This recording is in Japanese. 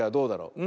うん。